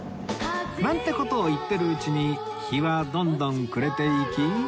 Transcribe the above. なんて事を言ってるうちに日はどんどん暮れていき